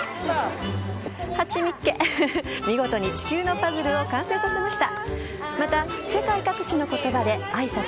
見事に地球のパズルを完成させました。